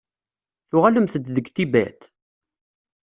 Tuɣalemt-d deg Tibet?